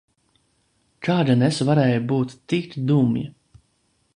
Kā gan es varēju būt tik dumja?